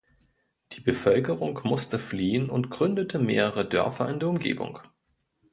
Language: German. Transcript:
Die Bevölkerung musste fliehen und gründete mehrere Dörfer in der Umgebung.